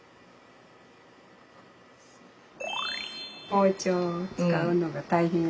包丁を使うのが大変やから。